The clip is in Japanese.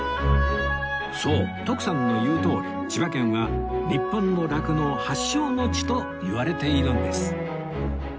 そう徳さんの言うとおり千葉県は日本の酪農発祥の地といわれているんです